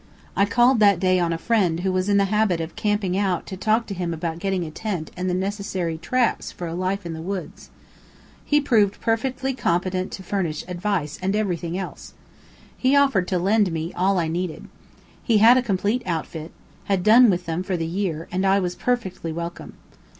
I called that day on a friend who was in the habit of camping out to talk to him about getting a tent and the necessary "traps" for a life in the woods. He proved perfectly competent to furnish advice and everything else. He offered to lend me all I needed. He had a complete outfit; had done with them for the year, and I was perfectly welcome.